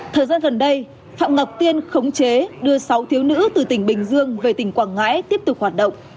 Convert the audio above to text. thời gian gần đây phạm ngọc tiên khống chế đưa sáu thiếu nữ từ tỉnh bình dương về tỉnh quảng ngãi tiếp tục hoạt động